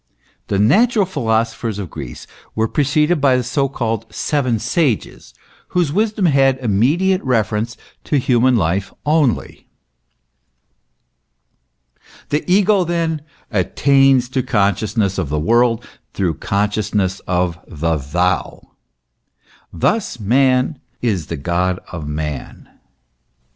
The natural philosophers of Greece were preceded by the so called seven Sages, whose wisdom had immediate reference to human life only. E 3 82 THE ESSENCE OF CHRISTIANITY. The ego, then, attains to consciousness of the world through consciousness of the thou. Thus man is the God of man.